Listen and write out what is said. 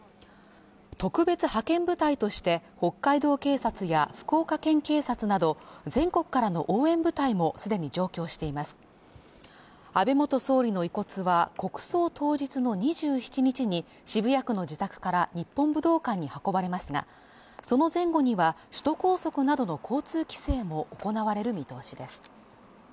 特別派遣部隊として北海道警察や福岡県警察など全国からの応援部隊も既に上京しています安倍元総理の遺骨は国葬当日の２７日に渋谷区の自宅から日本武道館に運ばれますがその前後には首都高速などの交通規制も行われる見通しです